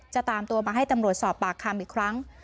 จะตามตัวมาให้ตำรวจสอบปากคำอีกครั้ง